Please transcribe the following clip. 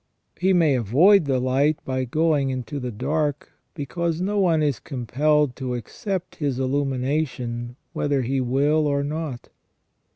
He may avoid the light by going into the dark, because no one is compelled to accept His illumination whether he will or not.